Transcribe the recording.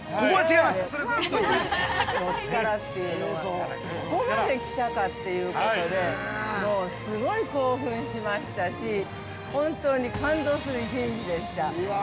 科学の力っていうのがここまで来たかっていうことで、もうすごい興奮しましたし本当に感動する１日でした。